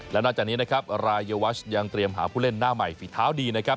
และนอกจากนี้นะครับรายวัชยังเตรียมหาผู้เล่นหน้าใหม่ฝีเท้าดีนะครับ